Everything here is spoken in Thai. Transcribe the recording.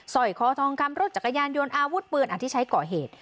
สอยคอทองคำรถจักรยานยนต์อาวุธเปลือนอาทิตย์ใช้ก่อเหตุ